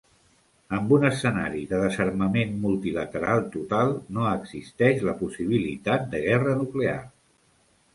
Amb un escenari de desarmament multilateral total, no existeix la possibilitat de guerra nuclear.